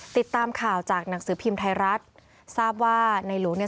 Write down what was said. ติดตามข่าวจากหนังสือพิมพ์ไทยรัฐทราบว่าในหลวงเนี่ย